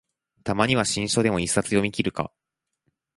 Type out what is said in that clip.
たまには新書でも一冊読みきるか